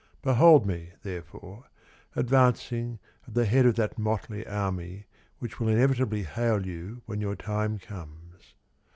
Behold me, therefore, advancing At the head of that motley army Which will inevitably hail you When your time comes.